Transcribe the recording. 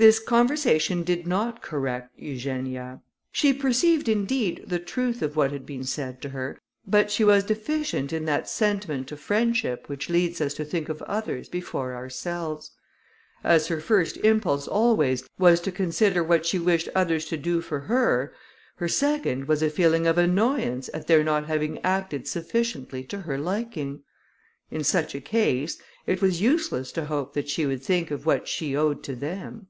This conversation did not correct Eugenia. She perceived, indeed, the truth of what had been said to her, but she was deficient in that sentiment of friendship which leads us to think of others before ourselves. As her first impulse, always, was to consider what she wished others to do for her, her second was a feeling of annoyance at their not having acted sufficiently to her liking; in such a case, it was useless to hope that she would think of what she owed to them.